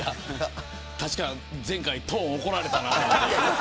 確か前回トーンを怒られたな。